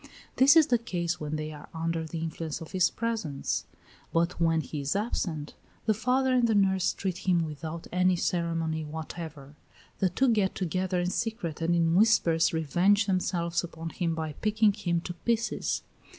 This is the case when they are under the influence of his presence: but when he is absent, the father and the nurse treat him without any ceremony whatever. The two get together in secret and in whispers revenge themselves upon him by picking him to pieces.